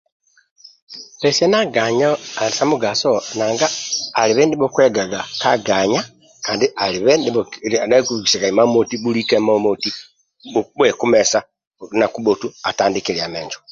Pesiana ganyo ali sa mugaso nanga alibe ndio bhukuegaga ka ganya kandi alibe ndia akibhubikisaga imamoti bhulika imamoti na kubhotu atandikilia menjo